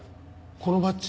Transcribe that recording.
このバッジ